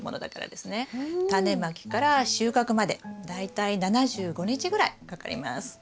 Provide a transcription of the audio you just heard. タネまきから収穫まで大体７５日ぐらいかかります。